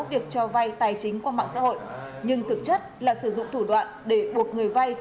việc cho vay tài chính qua mạng xã hội nhưng thực chất là sử dụng thủ đoạn để buộc người vay